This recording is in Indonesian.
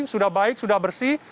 sudah baik sudah bersih